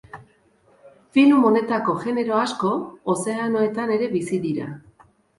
Filum honetako genero asko ozeanoetan ere bizi dira.